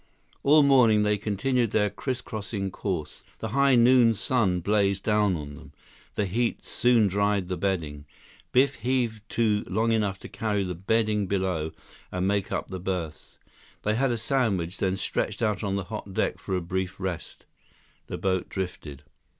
All morning they continued their crisscrossing course. The high noon sun blazed down on them. The heat soon dried the bedding. Biff heaved to long enough to carry the bedding below and make up the berths. They had a sandwich, then stretched out on the hot deck for a brief rest. The boat drifted.